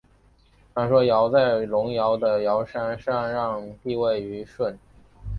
传说尧在隆尧的尧山禅让帝位予舜。